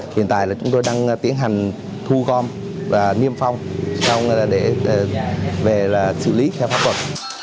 hiện tại chúng tôi đang tiến hành thu gom và niêm phong để xử lý theo pháp luật